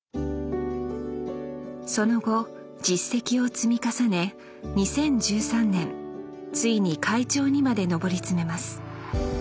その後実績を積み重ね２０１３年ついに会長にまで上り詰めます